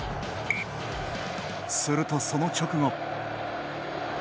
すると、その直後。